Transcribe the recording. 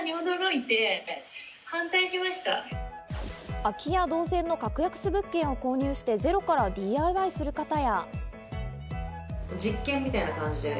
空き家同然の格安物件を購入してゼロからＤＩＹする方や。